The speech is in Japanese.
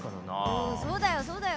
うんそうだよそうだよ。